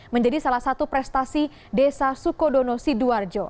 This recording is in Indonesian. menjadi salah satu prestasi desa sukodono sidoarjo